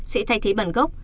sẽ thay thế bản gốc